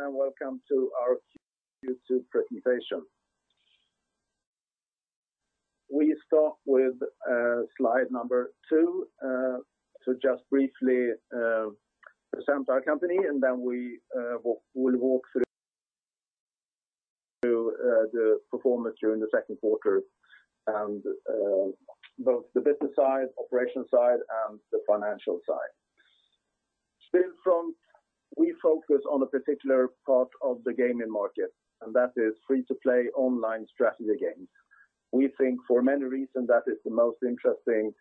Everyone, welcome to our Q2 presentation. We start with slide number two to just briefly present our company, then we will walk through the performance during the second quarter on both the business side, operations side, and the financial side. Stillfront, we focus on a particular part of the gaming market, that is free-to-play online strategy games. We think for many reasons that is the most interesting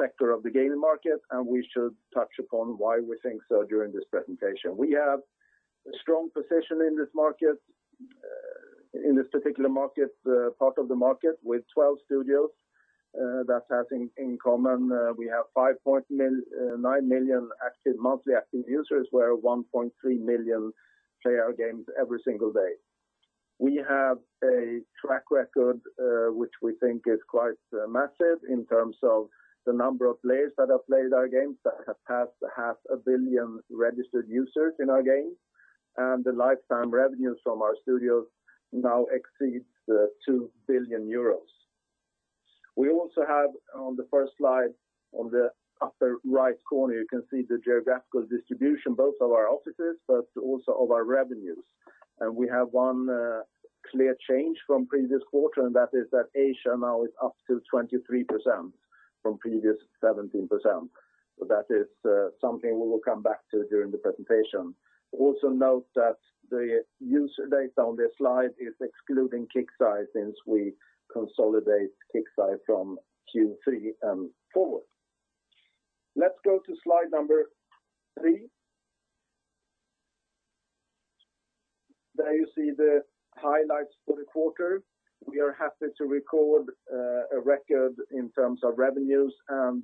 sector of the gaming market, we should touch upon why we think so during this presentation. We have a strong position in this particular part of the market with 12 studios that have in common, we have 5.9 million monthly active users where 1.3 million play our games every single day. We have a track record, which we think is quite massive in terms of the number of players that have played our games, that have passed half a billion registered users in our games, and the lifetime revenues from our studios now exceeds 2 billion euros. We also have on the first slide on the upper right corner, you can see the geographical distribution, both of our offices also of our revenues. We have one clear change from previous quarter, that is that Asia now is up to 23% from previous 17%. That is something we will come back to during the presentation. Also note that the user data on this slide is excluding Kixeye since we consolidate Kixeye from Q3 and forward. Let's go to slide number three. There you see the highlights for the quarter. We are happy to record a record in terms of revenues and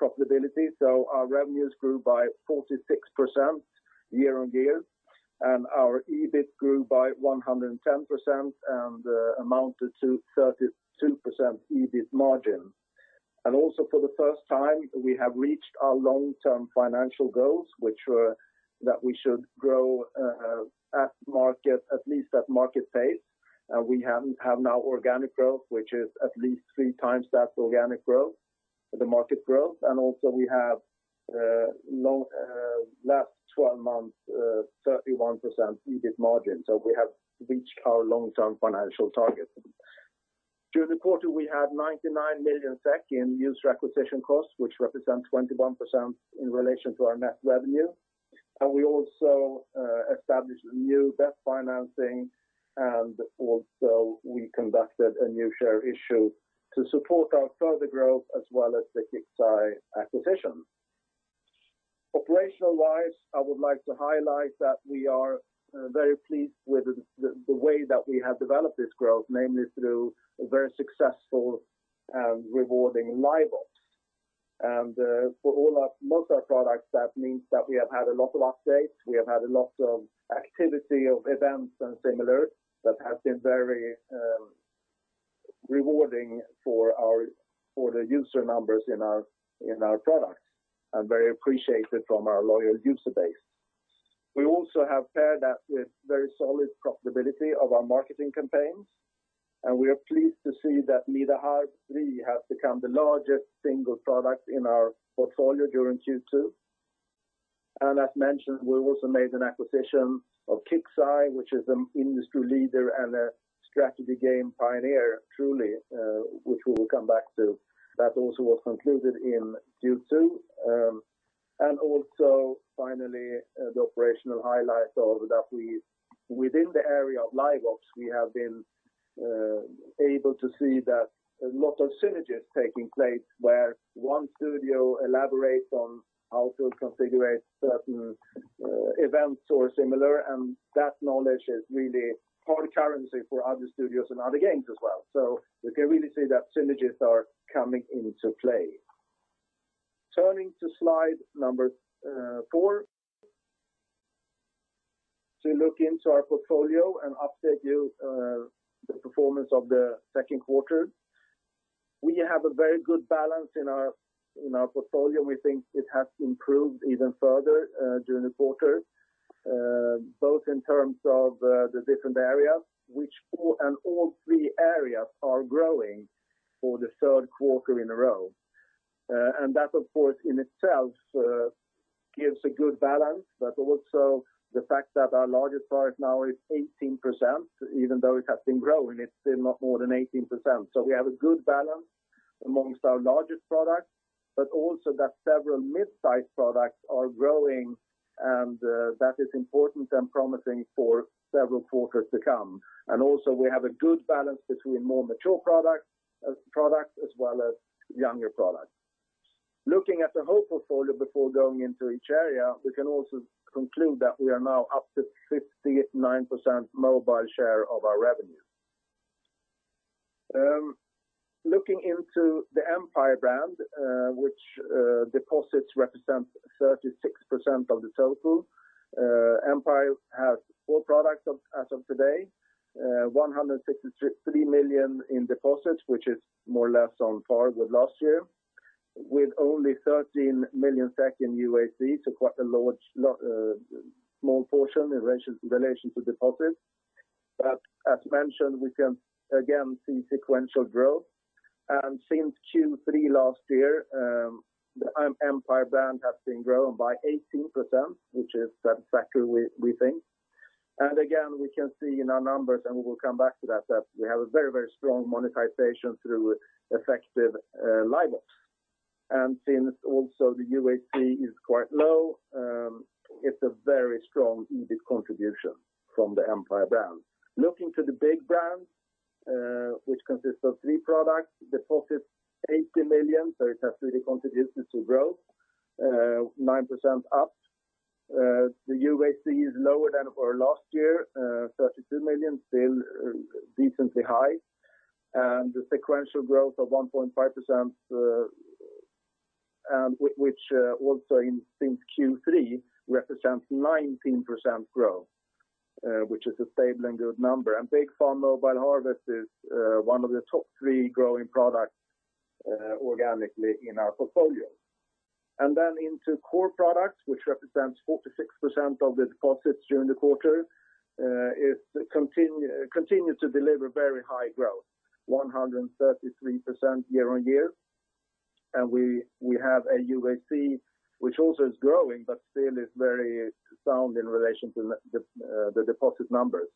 profitability. Our revenues grew by 46% year-on-year, and our EBIT grew by 110% and amounted to 32% EBIT margin. For the first time, we have reached our long-term financial goals, which were that we should grow at least at market pace. We have now organic growth, which is at least three times that organic growth, the market growth. We have last 12 months, 31% EBIT margin. We have reached our long-term financial target. During the quarter, we had 99 million SEK in user acquisition costs, which represents 21% in relation to our net revenue. We also established a new debt financing, we conducted a new share issue to support our further growth as well as the Kixeye acquisition. Operational-wise, I would like to highlight that we are very pleased with the way that we have developed this growth, mainly through a very successful and rewarding live ops. For most of our products, that means that we have had a lot of updates, we have had a lot of activity of events and similar that have been very rewarding for the user numbers in our products, and very appreciated from our loyal user base. We also have paired that with very solid profitability of our marketing campaigns, and we are pleased to see that Nida Harb 3 has become the largest single product in our portfolio during Q2. As mentioned, we also made an acquisition of Kixeye, which is an industry leader and a strategy game pioneer, truly, which we will come back to. That also was concluded in Q2. Also finally, the operational highlights are that within the area of live ops, we have been able to see that a lot of synergies taking place where one studio elaborates on how to configure certain events or similar, and that knowledge is really hard currency for other studios and other games as well. We can really see that synergies are coming into play. Turning to slide number four, to look into our portfolio and update you the performance of the second quarter. We have a very good balance in our portfolio. We think it has improved even further during the quarter, both in terms of the different areas, which all three areas are growing for the third quarter in a row. That, of course, in itself gives a good balance, but also the fact that our largest product now is 18%, even though it has been growing, it's still not more than 18%. We have a good balance amongst our largest products, but also that several mid-size products are growing, and that is important and promising for several quarters to come. Also we have a good balance between more mature products as well as younger products. Looking at the whole portfolio before going into each area, we can also conclude that we are now up to 59% mobile share of our revenue. Looking into the Empire brand, which deposits represent 36% of the total. Empire has four products as of today, 163 million in deposits, which is more or less on par with last year. With only 13 million SEK in UAC, quite a small portion in relation to deposit. As mentioned, we can again see sequential growth. Since Q3 last year, the Empire brand has been growing by 18%, which is satisfactory we think. Again, we can see in our numbers, and we will come back to that we have a very strong monetization through effective live ops. Since also the UAC is quite low, it's a very strong EBIT contribution from the Empire brand. Looking to the Big Farm, which consists of three products, deposit 80 million, it has really contributed to growth, 9% up. The UAC is lower than for last year, 32 million, still decently high. The sequential growth of 1.5%, which also since Q3 represents 19% growth, which is a stable and good number. Big Farm: Mobile Harvest is one of the top three growing products organically in our portfolio. Into core products, which represents 46% of the deposits during the quarter, it continue to deliver very high growth, 133% year-on-year. We have a UAC which also is growing but still is very sound in relation to the deposit numbers.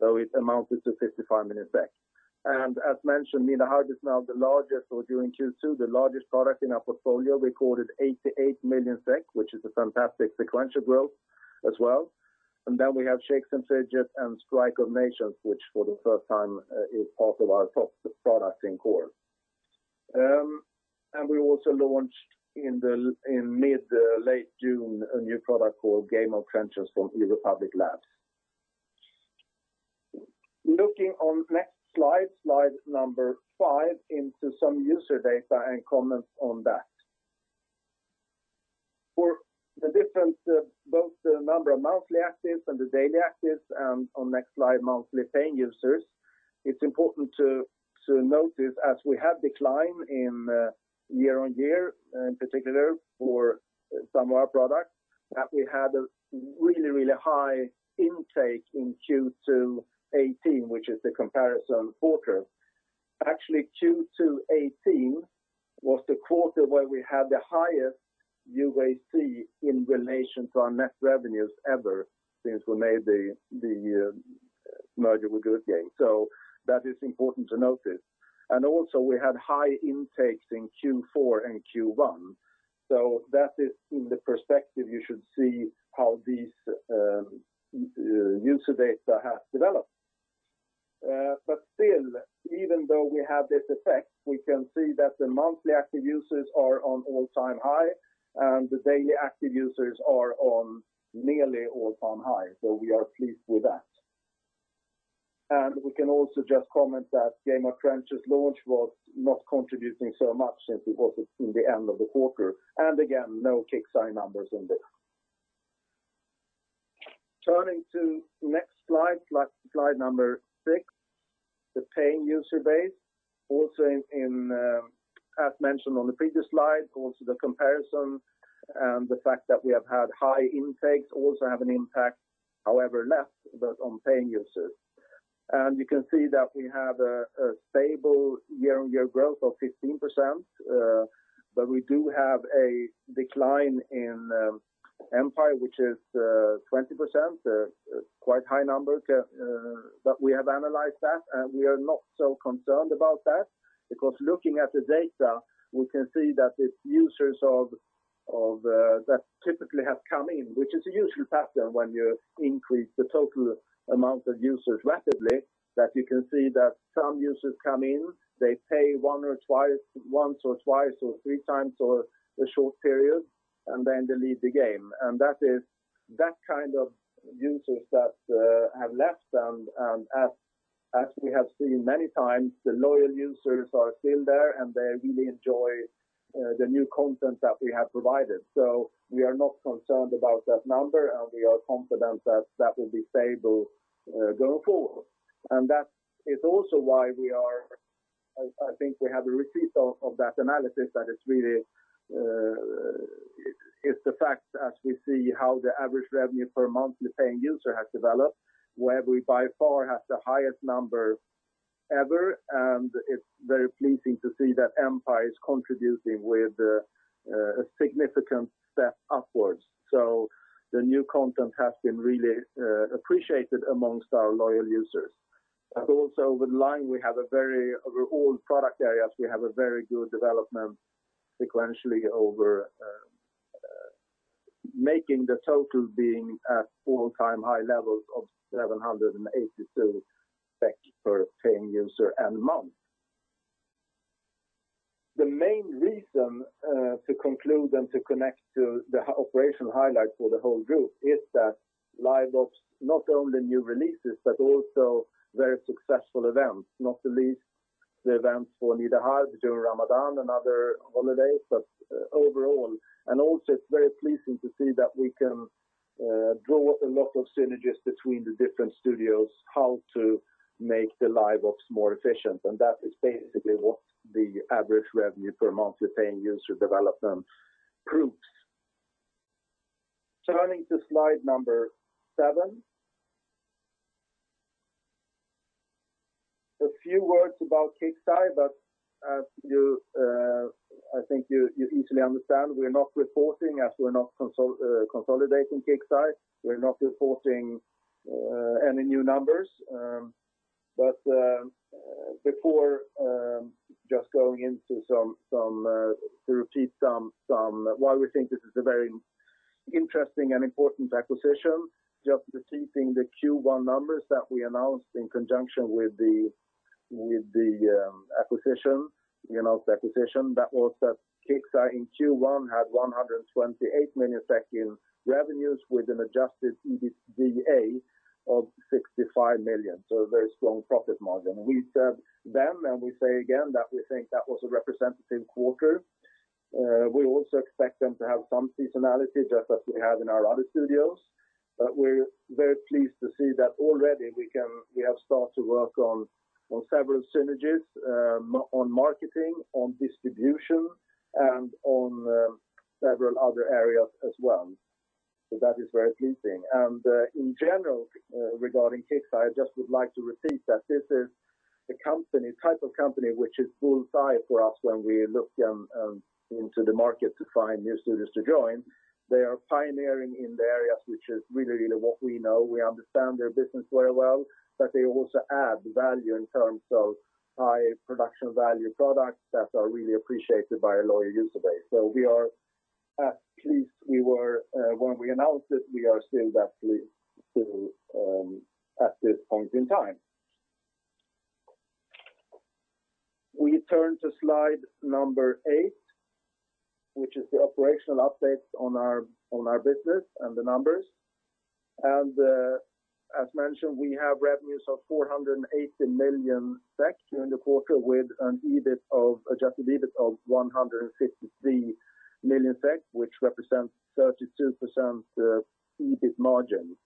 It amounted to 55 million. As mentioned, Nida Harb now the largest, or during Q2, the largest product in our portfolio recorded 88 million SEK, which is a fantastic sequential growth as well. We have Shakes & Fidget and Strike of Nations, which for the first time is part of our top products in core. We also launched in mid late June a new product called Game of Trenches from eRepublik Labs. Looking on next slide number five into some user data and comments on that. For the difference both the number of monthly actives and the daily actives, and on next slide, monthly paying users, it's important to notice as we have declined in year-on-year, in particular for some of our products, that we had a really high intake in Q2 2018, which is the comparison quarter. Actually, Q2 2018 was the quarter where we had the highest UAC in relation to our net revenues ever since we made the merger with Goodgame. That is important to notice. Also we had high intakes in Q4 and Q1. That is in the perspective you should see how these user data have developed. Still, even though we have this effect, we can see that the monthly active users are on all-time high, and the daily active users are on nearly all-time high. We are pleased with that. We can also just comment that Game of Trenches launch was not contributing so much since it was in the end of the quarter. Again, no Kixeye numbers in this. Turning to next slide number six, the paying user base. Also as mentioned on the previous slide, also the comparison and the fact that we have had high intakes also have an impact, however less, but on paying users. You can see that we have a stable year-on-year growth of 15%, but we do have a decline in Empire, which is 20%, a quite high number. We have analyzed that, and we are not so concerned about that because looking at the data, we can see that it's users that typically have come in, which is a usual pattern when you increase the total amount of users rapidly, that you can see that some users come in, they pay once or twice or three times or a short period, and then they leave the game. That kind of users that have left, and as we have seen many times, the loyal users are still there, and they really enjoy the new content that we have provided. We are not concerned about that number, and we are confident that that will be stable going forward. That is also why I think we have a repeat of that analysis that it's the fact as we see how the average revenue per monthly paying user has developed, where we by far have the highest number ever, and it's very pleasing to see that Empire is contributing with a significant step upwards. The new content has been really appreciated amongst our loyal users. Also with live, overall product areas, we have a very good development sequentially over making the total being at all-time high levels of 782 SEK per paying user and month. The main reason to conclude and to connect to the operational highlight for the whole group is that live ops, not only new releases, but also very successful events. Not the least the events for Mini Heroes during Ramadan and other holidays. Overall, it's very pleasing to see that we can draw a lot of synergies between the different studios, how to make the live ops more efficient. That is basically what the average revenue per monthly paying user development proves. Turning to slide number seven. A few words about Kixeye. I think you easily understand we are not reporting as we are not consolidating Kixeye. We are not reporting any new numbers. Before just going in to repeat why we think this is a very interesting and important acquisition, just repeating the Q1 numbers that we announced in conjunction with the acquisition. We announced the acquisition that was that Kixeye in Q1 had 128 million SEK in revenues with an adjusted EBITDA of 65 million. A very strong profit margin. We said then, and we say again, that we think that was a representative quarter. We also expect them to have some seasonality, just as we have in our other studios. We're very pleased to see that already we have started to work on several synergies, on marketing, on distribution, and on several other areas as well. That is very pleasing. In general, regarding Kixeye, I just would like to repeat that this is a type of company which is bullseye for us when we look into the market to find new studios to join. They are pioneering in the areas which is really what we know. We understand their business very well, but they also add value in terms of high production value products that are really appreciated by a loyal user base. We are as pleased we were when we announced it, we are still that pleased at this point in time. We turn to slide number 8, which is the operational update on our business and the numbers. As mentioned, we have revenues of 480 million SEK during the quarter with an adjusted EBIT of 153 million SEK, which represents 32% EBIT margin.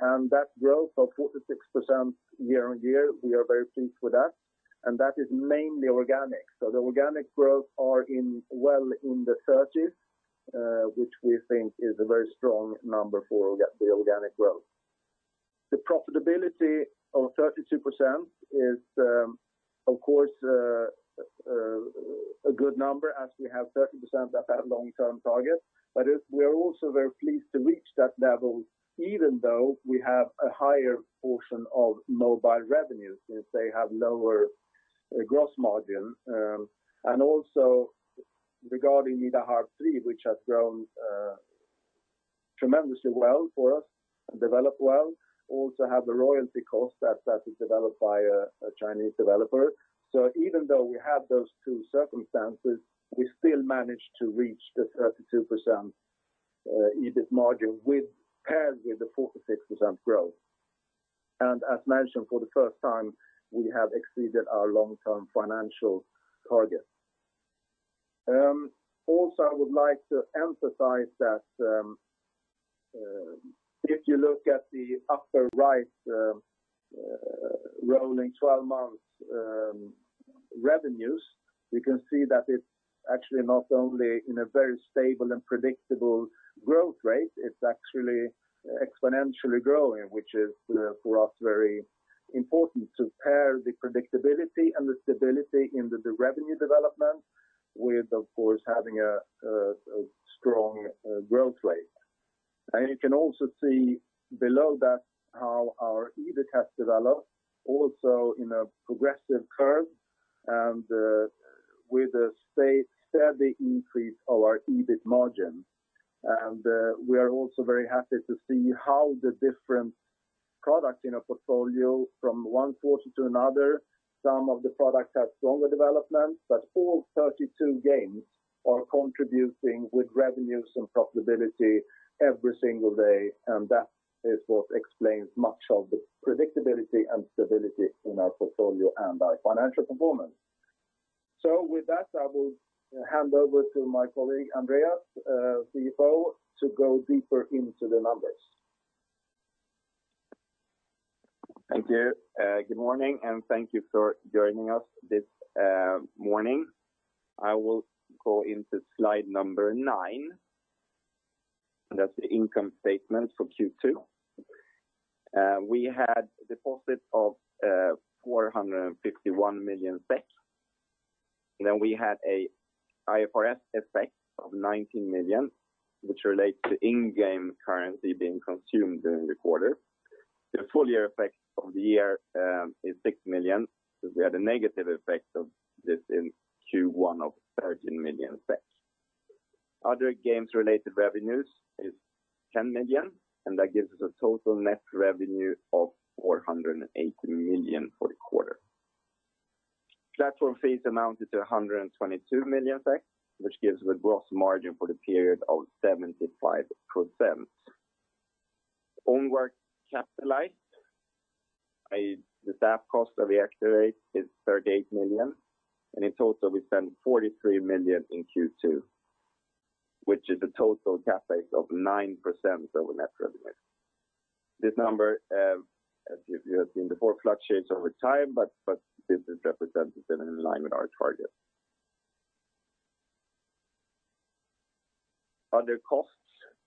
That growth of 46% year-over-year, we are very pleased with that. That is mainly organic. The organic growth are well in the 30s, which we think is a very strong number for the organic growth. The profitability of 32% is, of course, a good number as we have 30% as our long-term target. We are also very pleased to reach that level, even though we have a higher portion of mobile revenues since they have lower gross margin. Also regarding Nida Harb 3, which has grown tremendously well for us and developed well, also have a royalty cost as that is developed by a Chinese developer. Even though we have those two circumstances, we still managed to reach the 32% EBIT margin paired with the 46% growth. As mentioned, for the first time, we have exceeded our long-term financial target. I would like to emphasize that if you look at the upper right rolling 12 months revenues, you can see that it's actually not only in a very stable and predictable growth rate, it's actually exponentially growing, which is for us very important to pair the predictability and the stability in the revenue development with, of course, having a strong growth rate. You can also see below that how our EBIT has developed also in a progressive curve and with a steady increase of our EBIT margin. We are also very happy to see how the different products in our portfolio from one quarter to another, some of the products have stronger development, but all 32 games are contributing with revenues and profitability every single day. That is what explains much of the predictability and stability in our portfolio and our financial performance. With that, I will hand over to my colleague, Andreas, CFO, to go deeper into the numbers. Thank you. Good morning, and thank you for joining us this morning. I will go into slide number nine. That's the income statement for Q2. We had deposits of 451 million SEK. We had an IFRS effect of 19 million, which relates to in-game currency being consumed during the quarter. The full year effect of the year is 6 million, because we had a negative effect of this in Q1 of 13 million. Other games-related revenues is 10 million, that gives us a total net revenue of 480 million for the quarter. Platform fees amounted to 122 million, which gives the gross margin for the period of 75%. Onward capitalized, i.e., the staff cost of the activate is 38 million, in total, we spent 43 million in Q2, which is a total CapEx of 9% over net revenue. This number, as you have seen before, fluctuates over time, but this is representative and in line with our target. Other costs,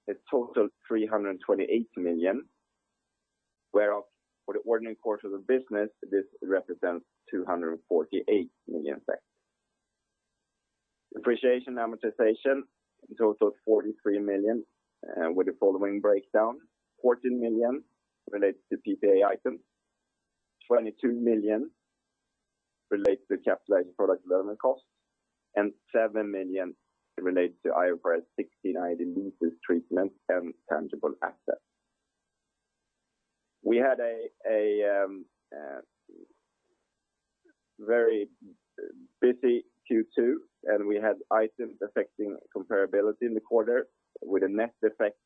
a total 328 million. Whereof, for the ordinary course of the business, this represents 248 million SEK. Depreciation, amortization, in total 43 million, with the following breakdown: 14 million relates to PPA items, 22 million relates to capitalized product development costs, and 7 million relates to IFRS 16 leases treatment and tangible assets. We had a very busy Q2. We had items affecting comparability in the quarter with a net effect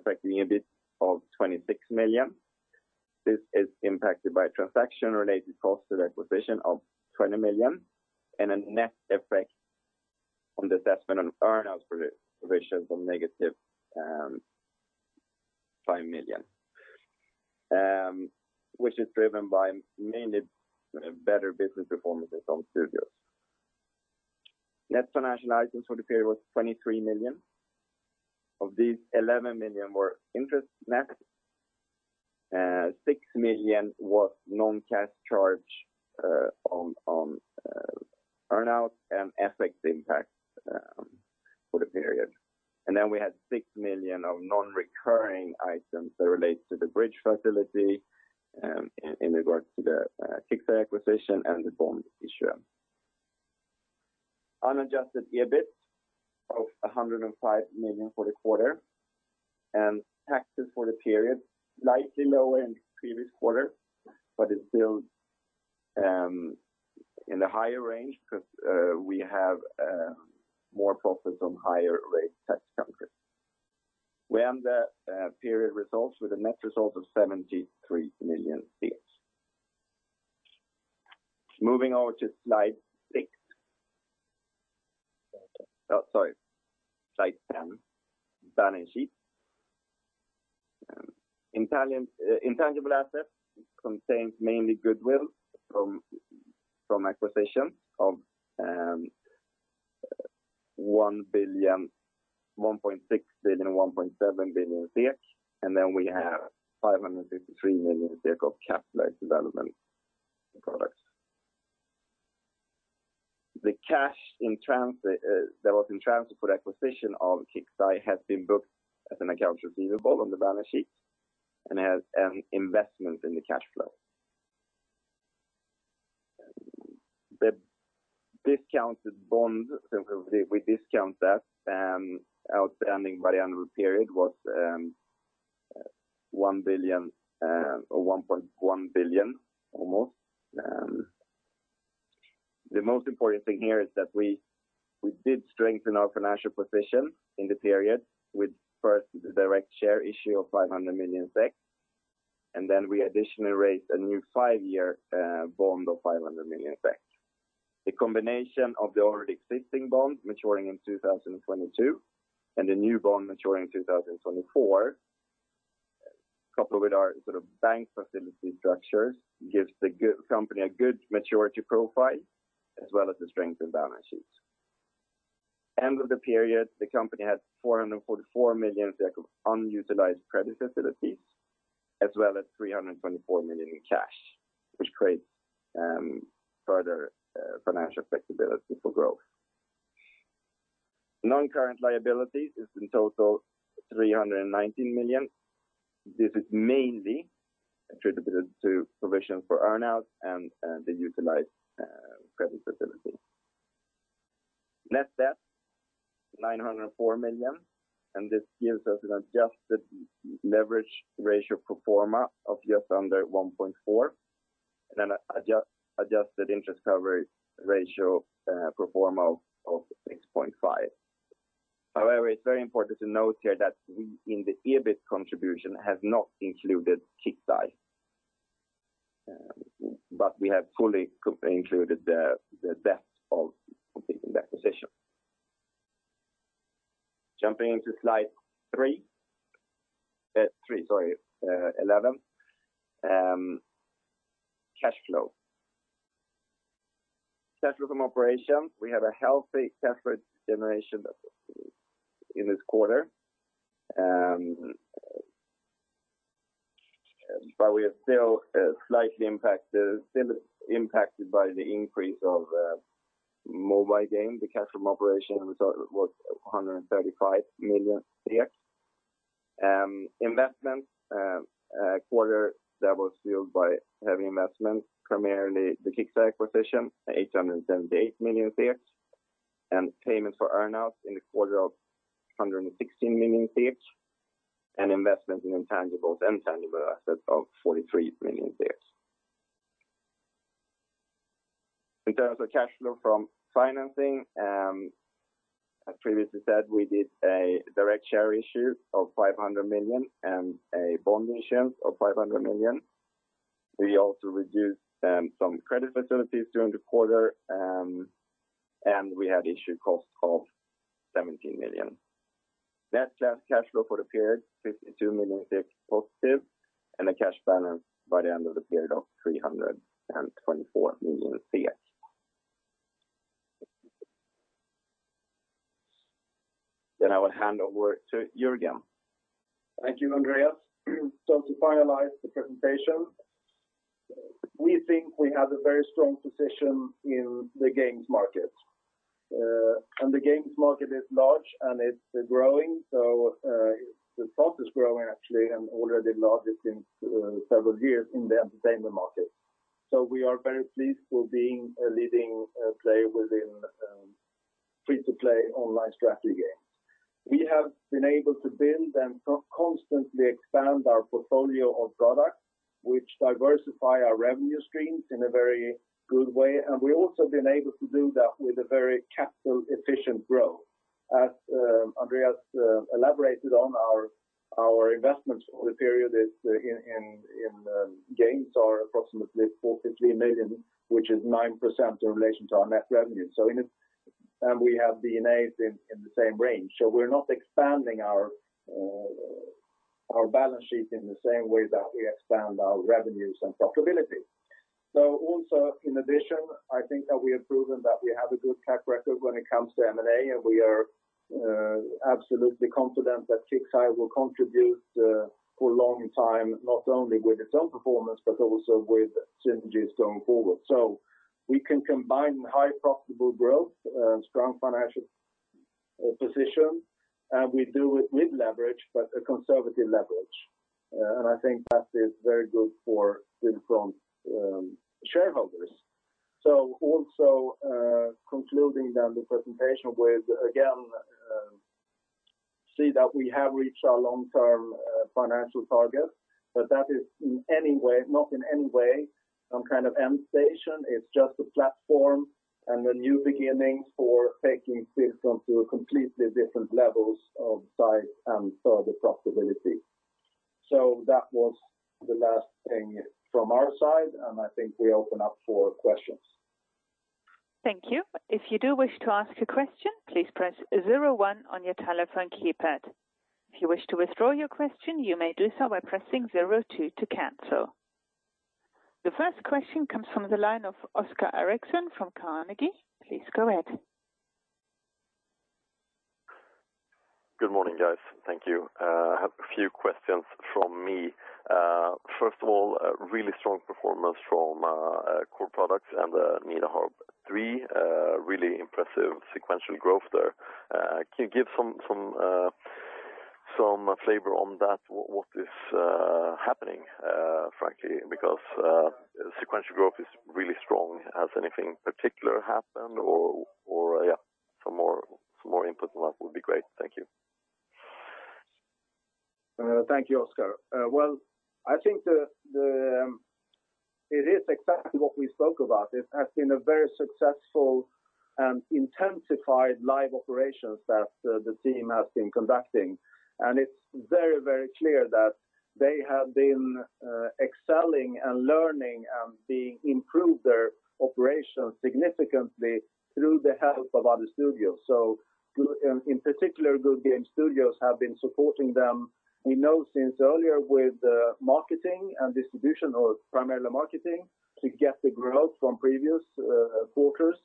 affecting EBIT of 26 million. This is impacted by transaction-related costs to the acquisition of 20 million and a net effect on the assessment on earn-outs provision of negative 5 million, which is driven by mainly better business performances on studios. Net financial items for the period was 23 million. Of these, 11 million SEK were interest net, 6 million SEK was non-cash charge on earn-out and FX impact for the period. We had 6 million SEK of non-recurring items that relates to the bridge facility, in regards to the Kixeye acquisition and the bond issue. Unadjusted EBIT of 105 million SEK for the quarter, and taxes for the period, slightly lower than previous quarter, but it's still in the higher range because we have more profits on higher rate tax countries. We end the period results with a net result of 73 million SEK. Moving over to slide 6. Sorry, slide 10, balance sheet. Intangible assets contains mainly goodwill from acquisition of 1.6 billion SEK, 1.7 billion SEK, and then we have 553 million SEK of capitalized development products. The cash that was in transit for the acquisition of Kixeye has been booked as an account receivable on the balance sheet and as an investment in the cash flow. The discounted bond, we discount that, outstanding by annual period was 1 billion or 1.1 billion almost. The most important thing here is that we did strengthen our financial position in the period with first the direct share issue of 500 million, and then we additionally raised a new five-year bond of 500 million. The combination of the already existing bond maturing in 2022 and the new bond maturing in 2024, coupled with our bank facility structures, gives the company a good maturity profile as well as to strengthen balance sheets. End of the period, the company had 444 million of unutilized credit facilities, as well as 324 million in cash, which creates further financial flexibility for growth. Non-current liabilities is in total 319 million. This is mainly attributable to provision for earn-out and the utilized credit facility. Net debt, 904 million. This gives us an adjusted leverage ratio pro forma of just under 1.4, and an adjusted interest coverage ratio pro forma of 6.5. It's very important to note here that in the EBIT contribution has not included Kixeye. We have fully included the debt of completing the acquisition. Jumping into slide three. Sorry, 11. Cash flow. Cash from operation. We have a healthy cash flow generation in this quarter. We are still slightly impacted by the increase of mobile game. The cash from operation result was 135 million. Investment, a quarter that was fueled by heavy investment, primarily the Kixeye acquisition, 878 million, and payment for earn-out in the quarter of 116 million, and investment in intangibles and tangible assets of 43 million. In terms of cash flow from financing, as previously said, we did a direct share issue of 500 million and a bond issue of 500 million. We also reduced some credit facilities during the quarter, and we had issue costs of 17 million. Net cash flow for the period, 52 million, positive, and a cash balance by the end of the period of 324 million. I will hand over to Jörgen. Thank you, Andreas. To finalize the presentation, we think we have a very strong position in the games market. The games market is large and it's growing. The stock is growing actually, and already largest in several years in the entertainment market. We are very pleased with being a leading player within free-to-play online strategy games. We have been able to build and constantly expand our portfolio of products, which diversify our revenue streams in a very good way. We also have been able to do that with a very capital-efficient growth. As Andreas elaborated on our investments for the period in games are approximately 450 million, which is 9% in relation to our net revenue. We have D&A in the same range. We're not expanding our balance sheet in the same way that we expand our revenues and profitability. Also in addition, I think that we have proven that we have a good track record when it comes to M&A, and we are absolutely confident that Kixeye will contribute for a long time, not only with its own performance, but also with synergies going forward. We can combine high profitable growth and strong financial position, and we do it with leverage, but a conservative leverage. I think that is very good for the Stillfront shareholders. Also concluding then the presentation with, again, see that we have reached our long-term financial targets, but that is not in any way some kind of end station. It's just a platform and a new beginning for taking Stillfront to completely different levels of size and further profitability. That was the last thing from our side, and I think we open up for questions. Thank you. If you do wish to ask a question, please press zero one on your telephone keypad. If you wish to withdraw your question, you may do so by pressing zero two to cancel. The first question comes from the line of Oscar Erixon from Carnegie. Please go ahead. Good morning, guys. Thank you. I have a few questions from me. First of all, a really strong performance from core products and Nida Harb 3, really impressive sequential growth there. Can you give some flavor on that, what is happening, frankly? Sequential growth is really strong. Has anything in particular happened, or yeah, some more input on that would be great. Thank you. Thank you, Oscar. Well, I think it is exactly what we spoke about. It has been a very successful and intensified live operations that the team has been conducting. It's very clear that they have been excelling and learning and improved their operations significantly through the help of other studios. In particular, Goodgame Studios have been supporting them, we know since earlier with marketing and distribution or primarily marketing to get the growth from previous quarters.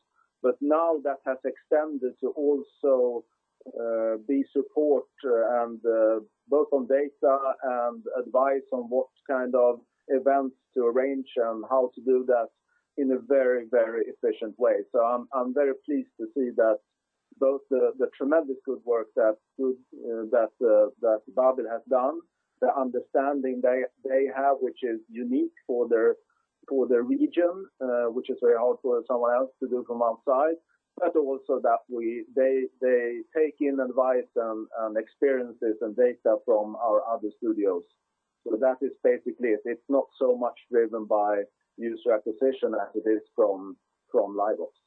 Now that has extended to also be support both on data and advice on what kind of events to arrange and how to do that in a very efficient way. I'm very pleased to see that both the tremendous good work that Babil has done, the understanding they have, which is unique for their region, which is very hard for someone else to do from outside, but also that they take in advice and experiences and data from our other studios. That is basically it. It's not so much driven by user acquisition as it is from live ops.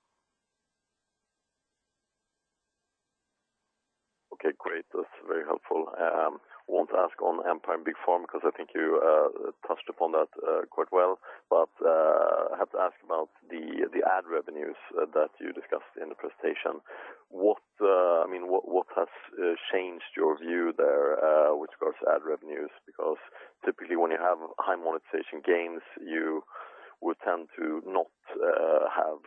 Okay, great. That's very helpful. I won't ask on Empire and Big Farm because I think you touched upon that quite well. I have to ask about the ad revenues that you discussed in the presentation. What has changed your view there with regards to ad revenues? Typically when you have high monetization gains, you would tend to not have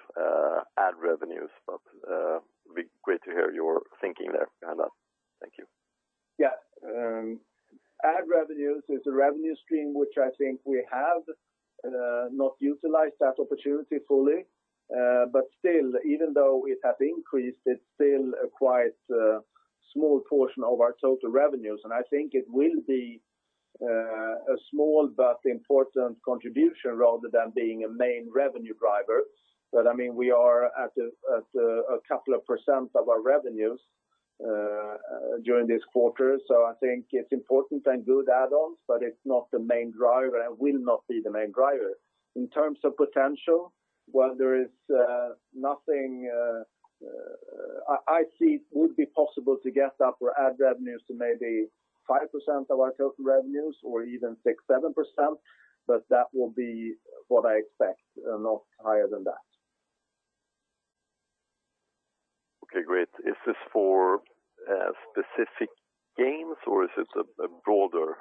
ad revenues, but it'd be great to hear your thinking there around that. Thank you. Yeah. Ad revenues is a revenue stream which I think we have not utilized that opportunity fully. Still, even though it has increased, it's still a quite small portion of our total revenues. I think it will be a small but important contribution rather than being a main revenue driver. We are at a couple of % of our revenues during this quarter. I think it's important and good add-ons, but it's not the main driver and will not be the main driver. In terms of potential, well, I see it would be possible to get up our ad revenues to maybe 5% of our total revenues or even 6%, 7%, but that will be what I expect, not higher than that. Okay, great. Is this for specific games or is this broader?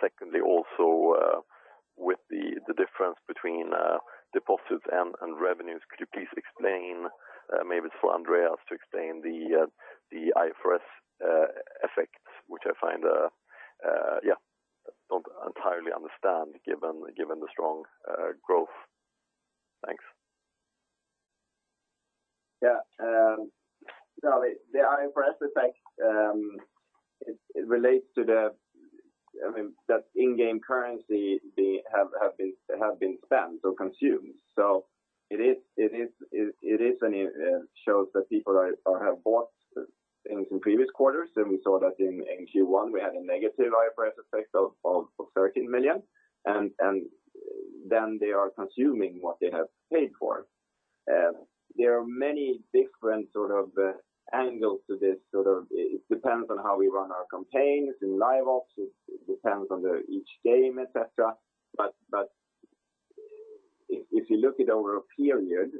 Secondly, also with the difference between deposits and revenues, could you please explain, maybe for Andreas to explain the IFRS effects, which I find I don't entirely understand given the strong growth. Thanks. The IFRS effect, it relates to the in-game currency have been spent or consumed. It shows that people have bought in some previous quarters, and we saw that in Q1, we had a negative IFRS effect of 13 million, and then they are consuming what they have paid for. There are many different angles to this. It depends on how we run our campaigns in live ops. It depends on each game, et cetera. If you look it over a period,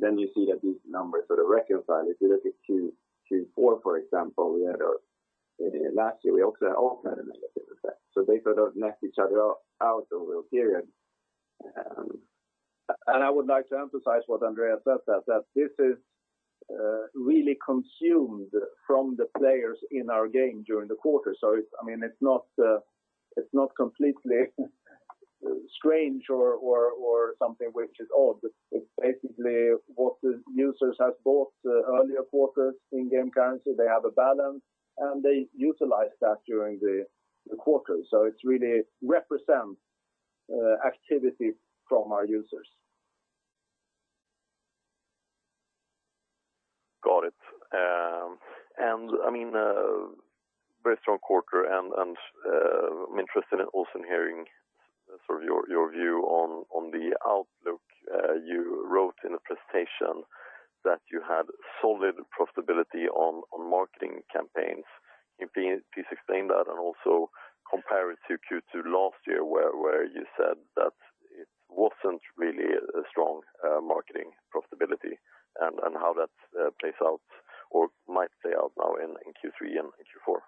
then you see that these numbers reconcile. If you look at Q4, for example, last year, we also had a negative effect. They sort of net each other out over a period. I would like to emphasize what Andreas said, that this is really consumed from the players in our game during the quarter. It's not completely strange or something which is odd. It's basically what the users have bought earlier quarters in-game currency. They have a balance, and they utilize that during the quarter. It really represents activity from our users. Got it. Very strong quarter, and I'm interested in also hearing your view on the outlook. You wrote in a presentation that you had solid profitability on marketing campaigns. Can you please explain that and also compare it to Q2 last year, where you said that it wasn't really a strong marketing profitability and how that plays out or might play out now in Q3 and Q4?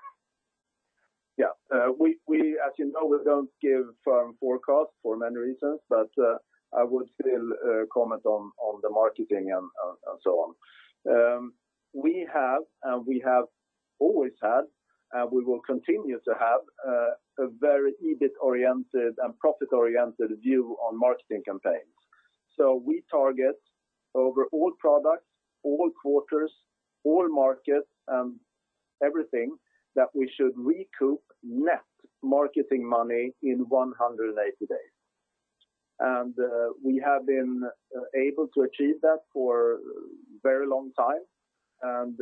Yeah. As you know, we don't give firm forecasts for many reasons, but I would still comment on the marketing and so on. We have, and we have always had, and we will continue to have a very EBIT-oriented and profit-oriented view on marketing campaigns. We target over all products, all quarters, all markets, and everything that we should recoup net marketing money in 180 days. We have been able to achieve that for a very long time, and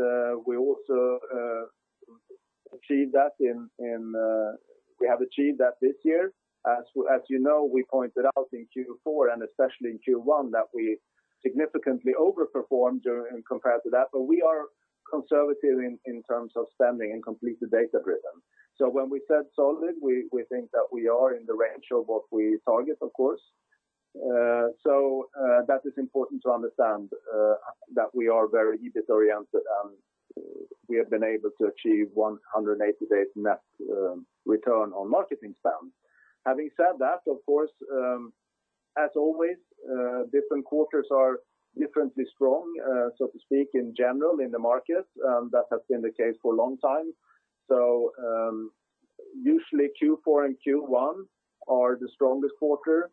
we have achieved that this year. As you know, we pointed out in Q4 and especially in Q1 that we significantly overperformed compared to that. We are conservative in terms of spending and complete the data rhythm. When we said solid, we think that we are in the range of what we target, of course. That is important to understand that we are very EBIT oriented, and we have been able to achieve 180 days net return on marketing spend. Having said that, of course, as always, different quarters are differently strong, so to speak, in general in the market. That has been the case for a long time. Usually Q4 and Q1 are the strongest quarter.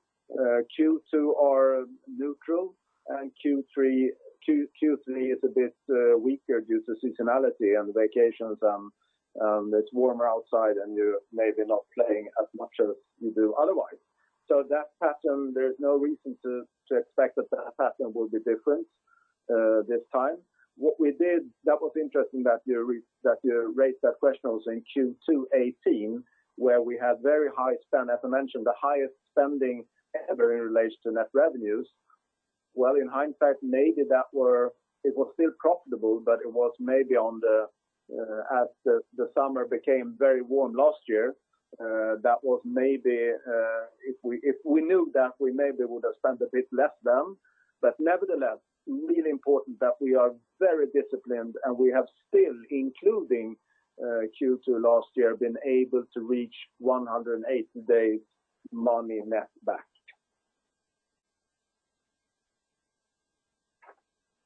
Q2 are neutral, and Q3 is a bit weaker due to seasonality and vacations, and it's warmer outside, and you're maybe not playing as much as you do otherwise. That pattern, there's no reason to expect that that pattern will be different this time. What we did that was interesting that you raised that question was in Q2 2018, where we had very high spend, as I mentioned, the highest spending ever in relation to net revenues. In hindsight, maybe it was still profitable, as the summer became very warm last year, if we knew that, we maybe would have spent a bit less then. Nevertheless, really important that we are very disciplined and we have still, including Q2 last year, been able to reach 180 days money net back.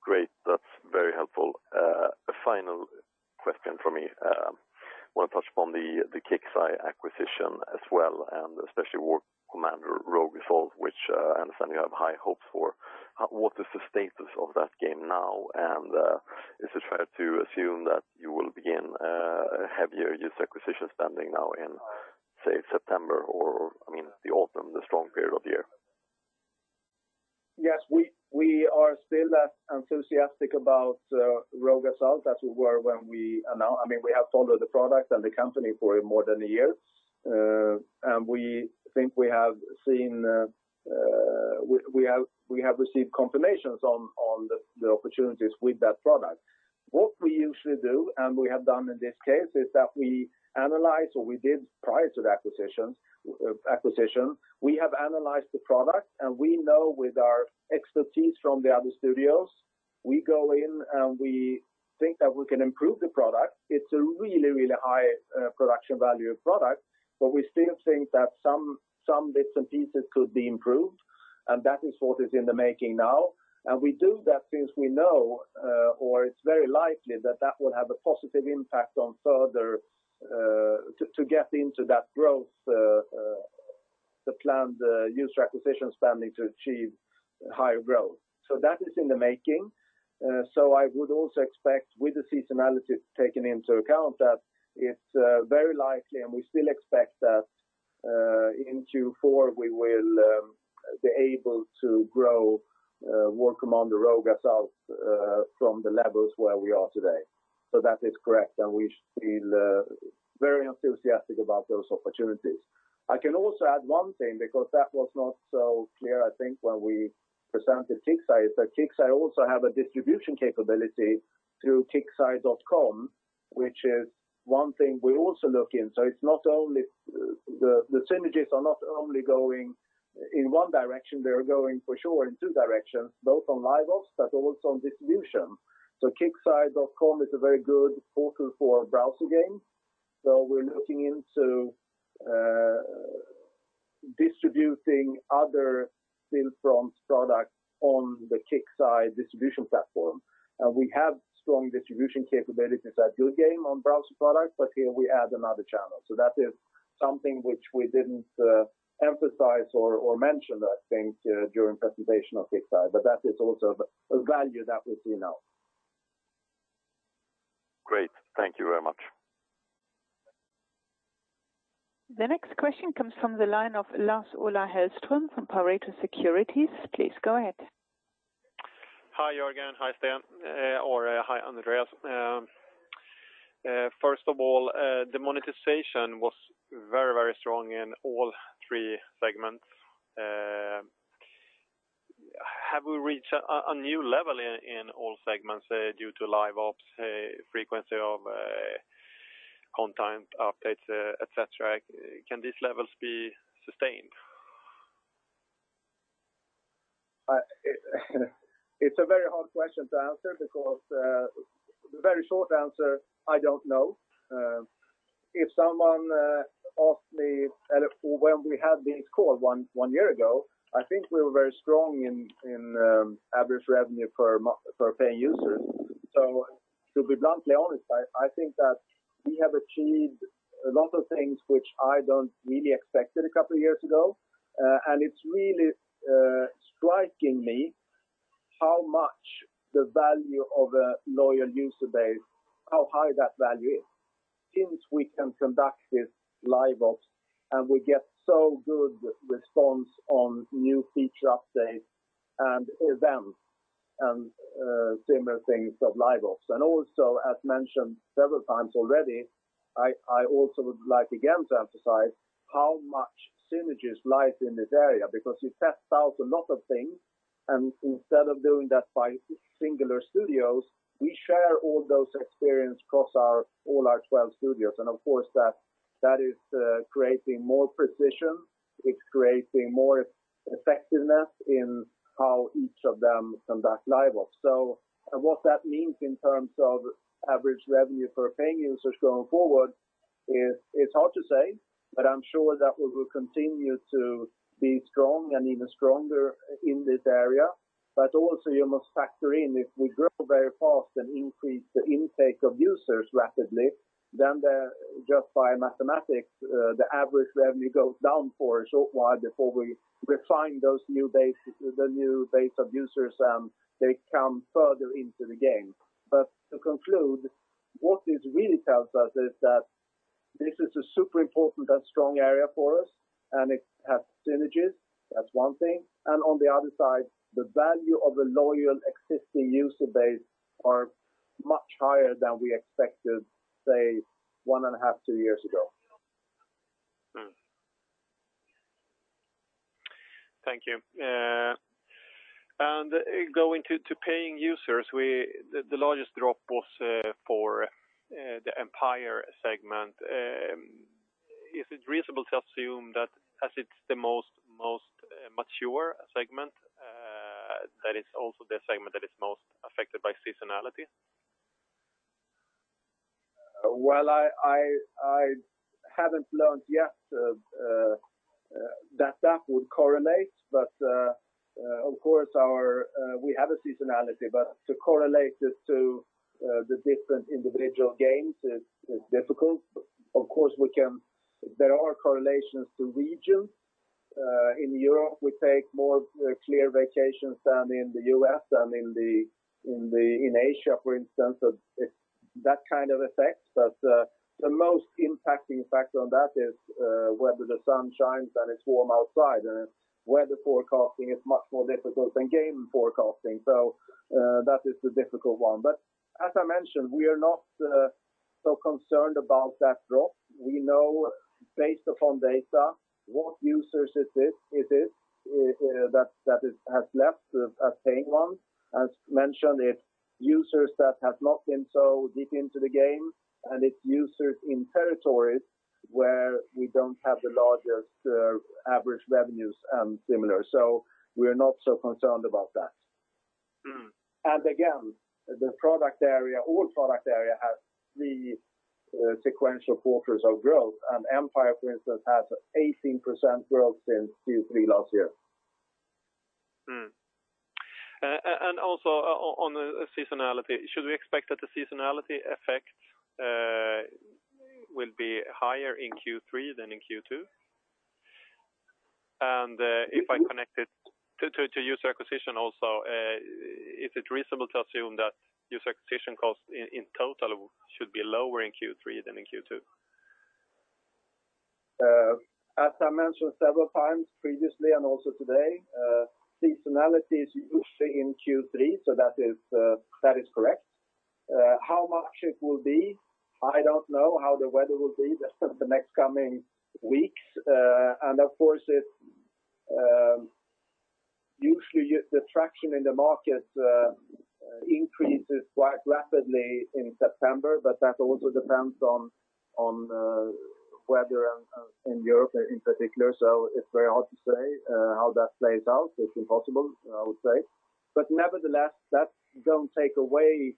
Great. That's very helpful. A final question from me. I want to touch upon the Kixeye acquisition as well, and especially War Commander: Rogue Assault, which I understand you have high hopes for. What is the status of that game now? Is it fair to assume that you will begin a heavier user acquisition spending now in say September or the autumn, the strong period of year? Yes, we are still as enthusiastic about Rogue Assault as we were when we announced. We have followed the product and the company for more than a year. We think we have received confirmations on the opportunities with that product. What we usually do. We have done in this case, is that we analyze or we did prior to the acquisition. We have analyzed the product. We know with our expertise from the other studios, we go in. We think that we can improve the product. It's a really high production value product. We still think that some bits and pieces could be improved. That is what is in the making now. We do that since we know, or it's very likely that that will have a positive impact to get into that growth, the planned user acquisition spending to achieve higher growth. That is in the making. I would also expect with the seasonality taken into account, that it's very likely and we still expect that in Q4 we will be able to grow War Commander: Rogue Assault from the levels where we are today. That is correct, and we feel very enthusiastic about those opportunities. I can also add one thing because that was not so clear, I think when we presented Kixeye, is that Kixeye also have a distribution capability through kixeye.com, which is one thing we also look in. The synergies are not only going in one direction, they are going for sure in two directions, both on live ops but also on distribution. kixeye.com is a very good portal for browser games. We're looking into distributing other Stillfront products on the Kixeye distribution platform. We have strong distribution capabilities at Goodgame on browser products, but here we add another channel. That is something which we didn't emphasize or mention, I think, during presentation of Kixeye, but that is also a value that we see now. Great. Thank you very much. The next question comes from the line of Lars-Ola Hellström from Pareto Securities. Please go ahead. Hi, Jörgen. Hi, Sten, or hi, Andreas. First of all, the monetization was very strong in all three segments. Have we reached a new level in all segments due to live ops frequency of content updates, et cetera? Can these levels be sustained? It's a very hard question to answer because the very short answer, I don't know. If someone asked me when we had this call one year ago, I think we were very strong in average revenue per paying user. To be bluntly honest, I think that we have achieved a lot of things which I don't really expected a couple of years ago. It's really striking me how much the value of a loyal user base, how high that value is since we can conduct this live ops and we get so good response on new feature updates and events and similar things of live ops. Also, as mentioned several times already, I also would like again to emphasize how much synergies lie in this area because you test out a lot of things and instead of doing that by singular studios, we share all those experiences across all our 12 studios. Of course that is creating more precision. It's creating more effectiveness in how each of them conduct live ops. What that means in terms of average revenue per paying users going forward is hard to say, but I'm sure that we will continue to be strong and even stronger in this area. Also you must factor in if we grow very fast and increase the intake of users rapidly, then just by mathematics, the average revenue goes down for a short while before we refine the new base of users, and they come further into the game. To conclude, what this really tells us is that this is a super important and strong area for us, and it has synergies. That's one thing. On the other side, the value of the loyal existing user base are much higher than we expected, say one and a half, two years ago. Thank you. Going to paying users, the largest drop was for the Empire segment. Is it reasonable to assume that as it's the most mature segment, that it's also the segment that is most affected by seasonality? Well, I haven't learned yet that that would correlate, but of course we have a seasonality, but to correlate it to the different individual games is difficult. Of course, there are correlations to region. In Europe, we take more clear vacations than in the U.S. and in Asia, for instance, it's that kind of effect. The most impacting factor on that is whether the sun shines and it's warm outside, and weather forecasting is much more difficult than game forecasting. That is the difficult one. As I mentioned, we are not so concerned about that drop. We know based upon data what users it is that has left a paying one. As mentioned, it's users that have not been so deep into the game, and it's users in territories where we don't have the largest average revenues and similar. We are not so concerned about that. The product area, all product area has three sequential quarters of growth, and Empire, for instance, has 18% growth since Q3 last year. Also on the seasonality, should we expect that the seasonality effect will be higher in Q3 than in Q2? If I connect it to user acquisition also, is it reasonable to assume that user acquisition cost in total should be lower in Q3 than in Q2? As I mentioned several times previously, and also today, seasonality is usually in Q3, so that is correct. How much it will be? I don't know how the weather will be the next coming weeks. Of course, usually the traction in the market increases quite rapidly in September, but that also depends on weather in Europe in particular. It's very hard to say how that plays out. It's impossible, I would say. Nevertheless, that don't take away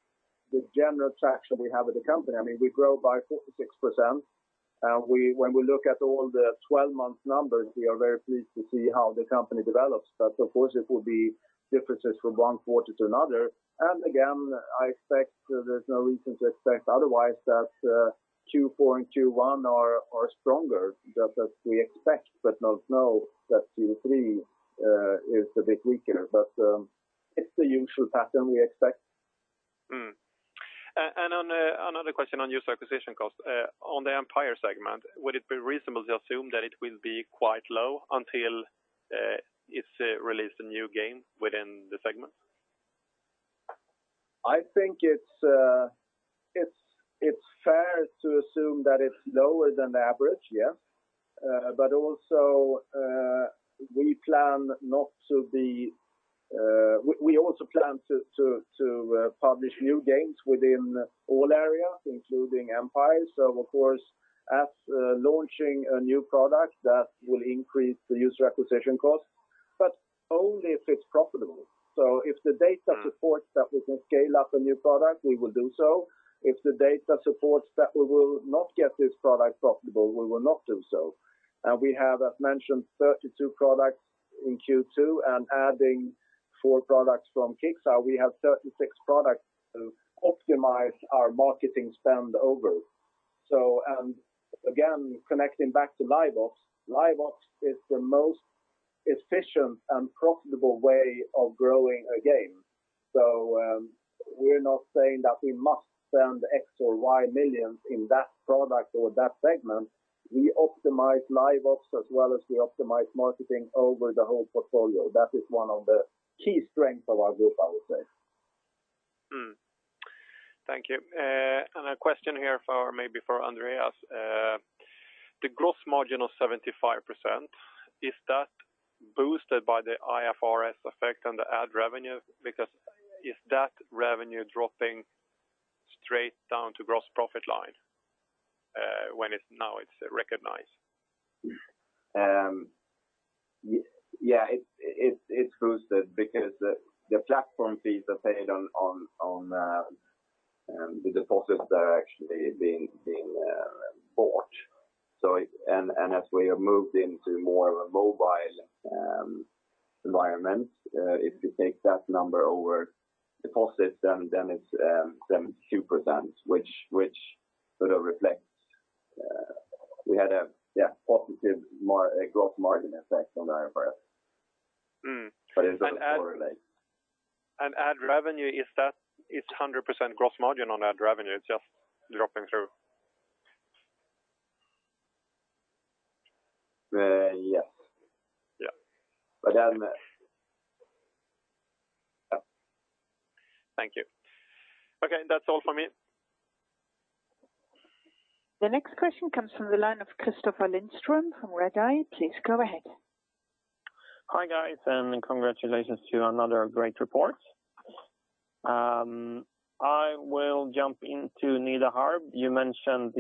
the general traction we have as a company. We grow by 46%, and when we look at all the 12-month numbers, we are very pleased to see how the company develops. Of course, it will be differences from one quarter to another. Again, I expect there's no reason to expect otherwise that Q4 and Q1 are stronger, just as we expect, but not know that Q3 is a bit weaker. It's the usual pattern we expect. Mm-hmm. Another question on user acquisition cost. On the Empire segment, would it be reasonable to assume that it will be quite low until it's released a new game within the segment? I think it's fair to assume that it's lower than the average, yeah. Also, we also plan to publish new games within all areas, including Empire. Of course as launching a new product that will increase the user acquisition cost, but only if it's profitable. If the data supports that we can scale up a new product, we will do so. If the data supports that we will not get this product profitable, we will not do so. We have, as mentioned, 32 products in Q2, adding four products from Kixeye, we have 36 products to optimize our marketing spend over. Again, connecting back to live ops, live ops is the most efficient and profitable way of growing a game. We're not saying that we must spend X or Y millions in that product or that segment. We optimize live ops as well as we optimize marketing over the whole portfolio. That is one of the key strengths of our group, I would say. Thank you. A question here maybe for Andreas. The gross margin of 75%, is that boosted by the IFRS effect on the ad revenue? Is that revenue dropping straight down to gross profit line, when it is now recognized? Yeah, it's boosted because the platform fees are paid on the deposits that are actually being bought. As we have moved into more of a mobile environment if you take that number over deposits, then it's 2%, which sort of reflects we had a positive gross margin effect on IFRS. It doesn't correlate. Ad revenue, is it 100% gross margin on ad revenue? It's just dropping through. Yes. Yeah. But then Thank you. Okay, that's all from me. The next question comes from the line of Kristoffer Lindström from Redeye. Please go ahead. Hi, guys. Congratulations to another great report. I will jump into Nida Harb. You mentioned,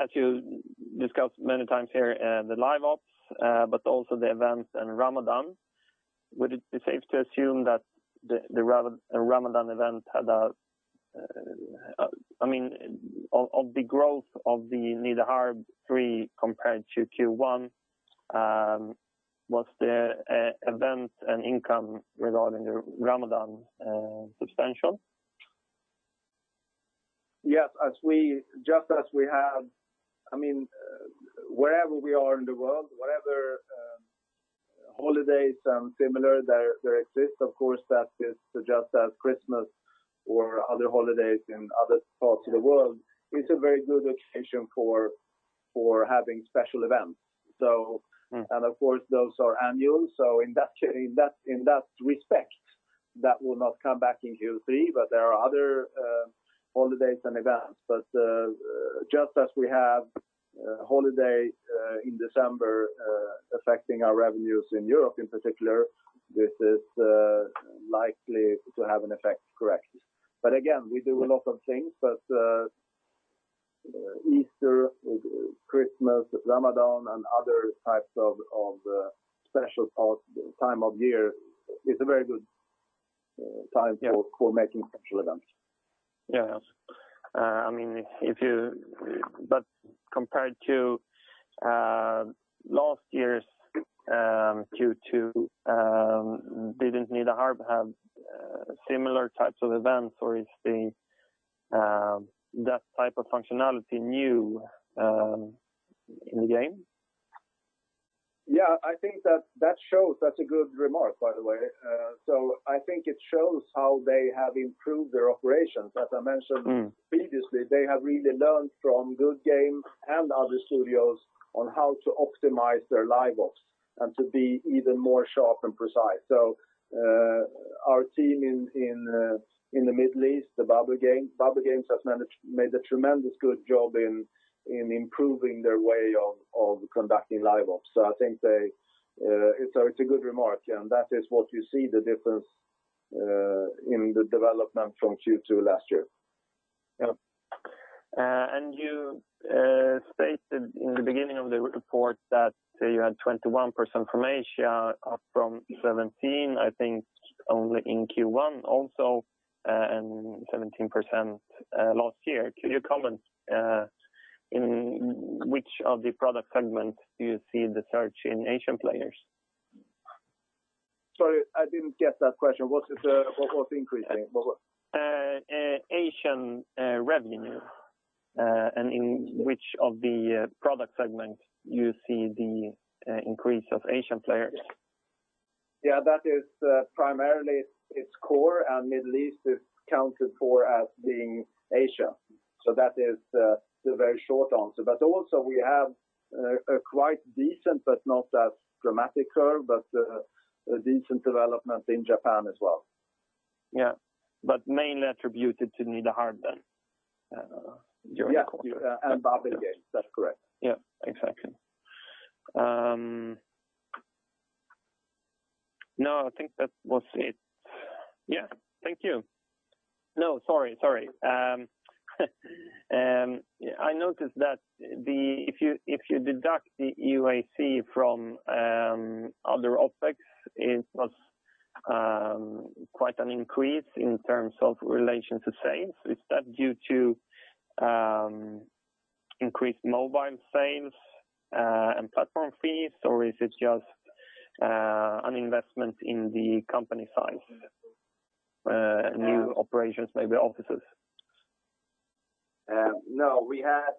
as you discussed many times here, the live ops, but also the events and Ramadan. Of the growth of the Nida Harb 3 compared to Q1, was the events and income regarding the Ramadan substantial? Yes, wherever we are in the world, whatever holidays and similar that exist, of course, that is just as Christmas or other holidays in other parts of the world, it's a very good occasion for having special events. Of course, those are annual, so in that respect, that will not come back in Q3, but there are other holidays and events. Just as we have holiday in December affecting our revenues in Europe in particular, this is likely to have an effect, correct. Again, we do a lot of things, but Easter, Christmas, Ramadan, and other types of special time of year is a very good time for making special events. Compared to last year's Q2, they didn't need to have similar types of events, or is that type of functionality new in the game? Yeah, that's a good remark, by the way. I think it shows how they have improved their operations. As I mentioned previously, they have really learned from Goodgame and other studios on how to optimize their live ops and to be even more sharp and precise. Our team in the Middle East, the Babil Games, Babil Games has made a tremendous good job in improving their way of conducting live ops. It's a good remark, Jan, that is what you see the difference in the development from Q2 last year. Yeah. You stated in the beginning of the report that you had 21% from Asia, up from 17%, I think, only in Q1 also, and 17% last year. Could you comment, in which of the product segments do you see the surge in Asian players? Sorry, I didn't get that question. What was increasing? Asian revenue, and in which of the product segments you see the increase of Asian players? That is primarily its core, and Middle East is counted for as being Asia. That is the very short answer. Also we have a quite decent, but not as dramatic curve, but a decent development in Japan as well. Yeah, mainly attributed to Nida Harb then during the quarter? Yeah, Babil Games. That's correct. Yeah, exactly. I think that was it. Yeah. Thank you. No, sorry. I noticed that if you deduct the UAC from other aspects, it was quite an increase in terms of relation to sales. Is that due to increased mobile sales and platform fees, or is it just an investment in the company size? New operations, maybe offices? No, we had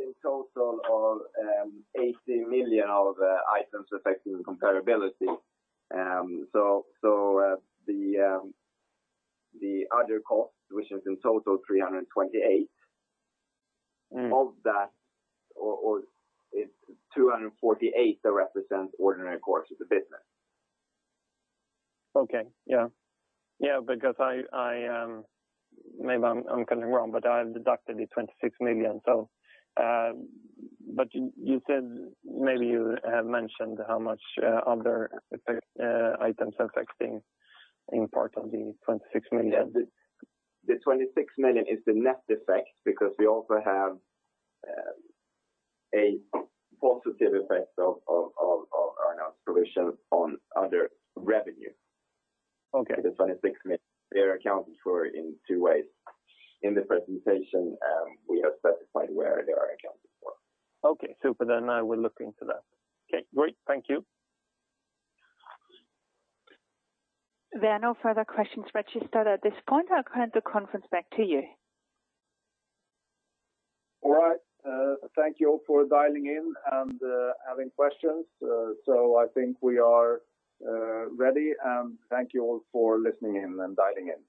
in total of 80 million of items affecting comparability. The other cost, which is in total 328. Of that, or it's 248 that represents ordinary course of the business. Okay. Yeah. Maybe I'm getting it wrong, but I have deducted the 26 million. You said maybe you have mentioned how much other items affecting in part of the 26 million. Yeah. The 26 million is the net effect because we also have a positive effect of earn-outs provision on other revenue. Okay. The SEK 26 million, they are accounted for in two ways. In the presentation, we have specified where they are accounted for. Okay. Super then. I will look into that. Okay, great. Thank you. There are no further questions registered at this point. I'll hand the conference back to you. All right. Thank you all for dialing in and having questions. I think we are ready, and thank you all for listening in and dialing in.